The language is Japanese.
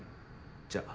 じゃあ。